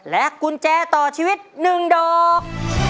กุญแจต่อชีวิต๑ดอก